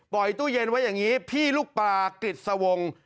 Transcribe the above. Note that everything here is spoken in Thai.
ปล่อยตู้เย็นไว้อย่างนี้พี่ลูกป่ากริดสวง